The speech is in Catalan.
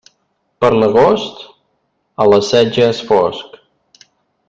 Per l'agost, a les set ja és fosc.